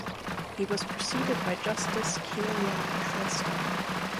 He was preceded by Justice Kalyan Shrestha.